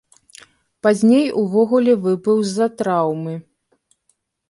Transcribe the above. Пазней увогуле выбыў з-за траўмы.